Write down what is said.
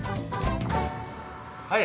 はい。